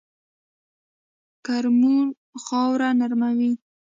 کرمونه خاوره نرموي